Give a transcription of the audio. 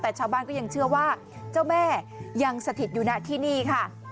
แต่ชาวบ้านก็ยังเชื่อว่าเจ้าแม่ยังสถิตอยู่นะที่นี่ค่ะ